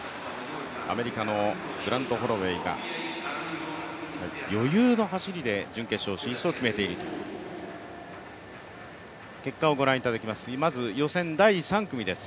アメリカのグラント・ホロウェイが余裕の走りで準決勝進出を決めていると結果をご覧いただきます、まず、予選第３組です